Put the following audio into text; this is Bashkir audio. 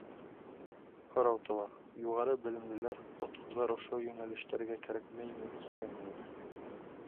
Һорау тыуа: юғары белемлеләр, отҡорҙар ошо йүнәлештәргә кәрәкмәйме икән ни?!